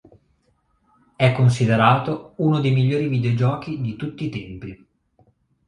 È considerato uno dei migliori videogiochi di tutti i tempi.